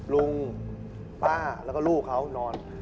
ลุงป้าแล้วก็ลูกเขานอน